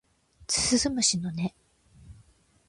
鈴虫の音